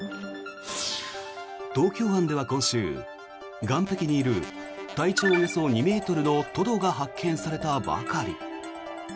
東京湾では今週、岸壁にいる体長およそ２ｍのトドが発見されたばかり。